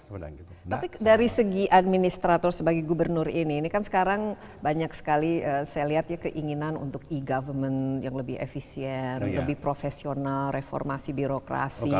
tapi dari segi administrator sebagai gubernur ini ini kan sekarang banyak sekali saya lihat ya keinginan untuk e government yang lebih efisien lebih profesional reformasi birokrasi